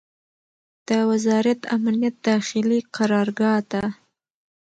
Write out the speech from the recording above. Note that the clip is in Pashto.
د وزارت امنیت داخلي قرارګاه ته